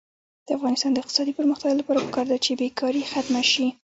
د افغانستان د اقتصادي پرمختګ لپاره پکار ده چې بېکاري ختمه شي.